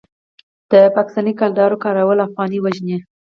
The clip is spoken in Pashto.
د پاکستانۍ کلدارو کارول افغانۍ وژني.